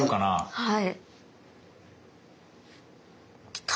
はい。